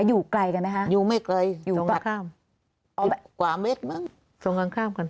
อยู่ไกลกันไหมคะอยู่ไม่ไกลอยู่ตรงข้ามอ๋อกว่าเม็ดมั้งตรงข้างกัน